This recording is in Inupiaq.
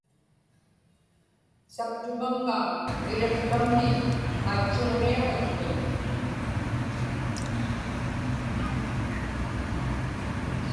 saptumaŋŋa iriqtamniñ aitchuġniaġikpiñ